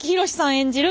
演じる